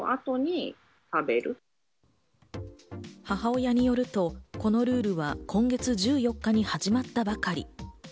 母親によると、このルールは今月１４日に始まったばかり。